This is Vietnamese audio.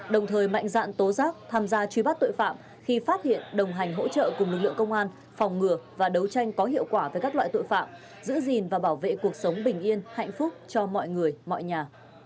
đồng thời mạnh dạng tố giác tham gia truy bắt tội phạm khi phát hiện đồng hành hỗ trợ cùng lực lượng công an phòng ngừa và đấu tranh có hiệu quả với các loại tội phạm giữ gìn và bảo vệ cuộc sống bình yên hạnh phúc cho mọi người mọi nhà